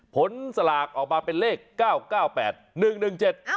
สลากออกมาเป็นเลขเก้าเก้าแปดหนึ่งหนึ่งเจ็ด